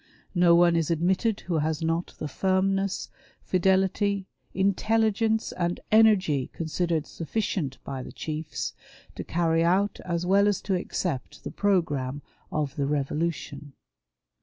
No one is admitted who has not the firmness, fidelity, intelligence, and energy considered sufficient by the chiefs, to carry out as well as to accept the programme of the Revolution.